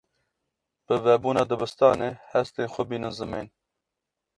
Bi vebûna dibistanê, hestên xwe bînin zimên.